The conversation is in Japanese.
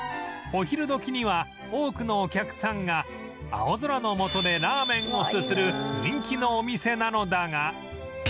お昼時には多くのお客さんが青空の下でラーメンをすする人気のお店なのだが